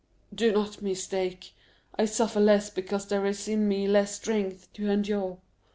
"Do not mistake! I suffer less because there is in me less strength to endure.